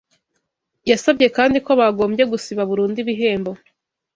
yasabye kandi ko bagombye gusiba burundu ibihembo